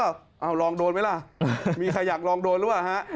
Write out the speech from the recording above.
ลองโดนไหมล่ะมีใครอยากลองโดนหรือเปล่าฮะ